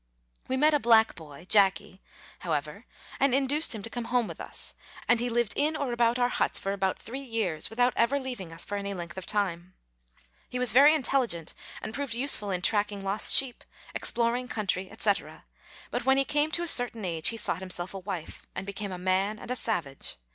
We met a black boy (Jacky), however, and induced him to come home with us, and he lived in or about our huts for about three years without ever leaving us for any length of time. He was very intelligent, and proved useful in tracking lost sheep, exploring country, &c., but when he came to a certain age he sought him self a wife, and became a man and a savage.